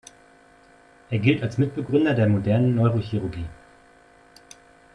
Er gilt als Mitbegründer der modernen Neurochirurgie.